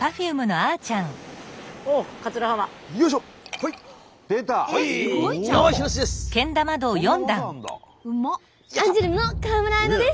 アンジュルムの川村文乃です！